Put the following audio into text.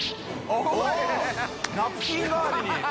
おっナプキン代わりに！